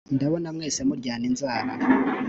Ndabona mwese muryana inzara